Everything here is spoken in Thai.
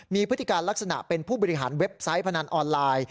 มีพฤติการลักษณะเป็นผู้บริหารเว็บไซต์พนันออนไลน์